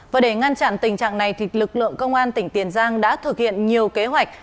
và để ngăn chặn tình trạng này lực lượng công an tỉnh tiền giang đã thực hiện nhiều kế hoạch